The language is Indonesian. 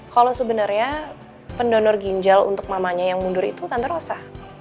kalau sebenarnya pendonor ginjal untuk mamanya yang mundur itu tante rosa